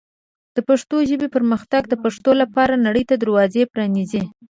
د پښتو ژبې پرمختګ د پښتو لپاره نړۍ ته دروازه پرانیزي.